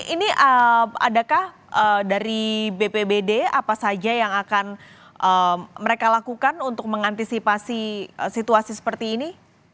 ini adakah dari bpbd apa saja yang akan mereka lakukan untuk mengantisipasi situasi seperti ini